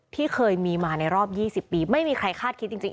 ที่เคยมีมาในรอบยี่สิบปีไม่มีใครคาดคิดจริงจริง